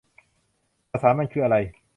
สสารมันคืออะไร